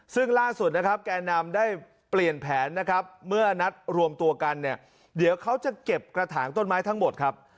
ซึ่งล่าสุดแกนามได้เปลี่ยนแผนเมื่อนัดรวมตัวกันเดี๋ยวเขาจะเก็บกระถางต้นไม้ทั้งหมดครับ